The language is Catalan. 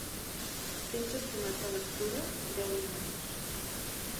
Temps estimat de lectura: deu minuts.